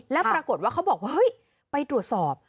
แล้วปรากฏว่าเขาบอกเฮ้ยไปตรวจสอบ